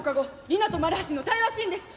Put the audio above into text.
リナと丸橋の対話シーンです。